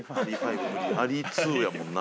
「アリ２」やもんな